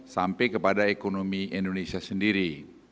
sampai kepada ekonomi indonesia sendiri